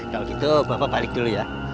kalau gitu bapak balik dulu ya